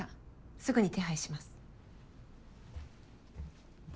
すぐに手配します。